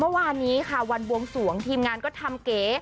เมื่อวานนี้ค่ะวันบวงสวงทีมงานก็ทำเก๋